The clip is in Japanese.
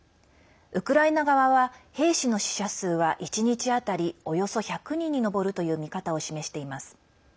ウクライナ側は兵士の死者数は１日当たりおよそ１００人に上るという見方を示しています。